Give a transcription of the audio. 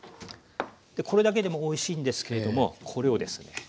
これだけでもおいしいんですけれどもこれをですね